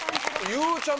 ゆうちゃみ